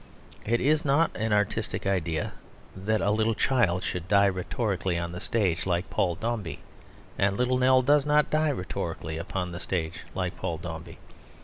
It is not an artistic idea that a little child should die rhetorically on the stage like Paul Dombey; and Little Nell does not die rhetorically upon the stage like Paul Dombey.